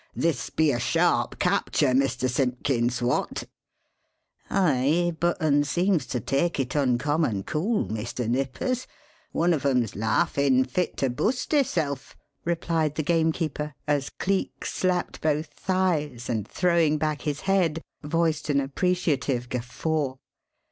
This be a sharp capture, Mr. Simpkins what?" "Aye, but un seems to take it uncommon cool, Mr. Nippers one of 'em's larfiin' fit to bust hisself!" replied the gamekeeper as Cleek slapped both thighs, and throwing back his head, voiced an appreciative guffaw.